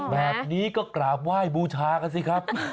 แบบนี้ก็กราบไหว้บูชากันสิครับ